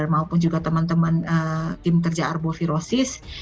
maupun juga teman teman tim kerja arbovirosis